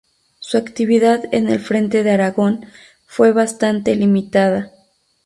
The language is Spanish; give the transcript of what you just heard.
Su actividad en el Frente de Aragón fue bastante limitada.